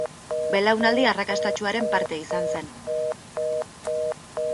Belaunaldi arrakastatsuaren parte izan zen.